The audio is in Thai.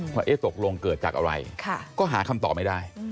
ว่าตกลงเกิดจากอะไรก็หาคำตอบไม่ได้